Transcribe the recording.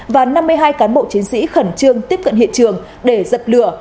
và năm mươi hai cán bộ chiến sĩ khẩn trương tiếp cận hiện trường để dập lửa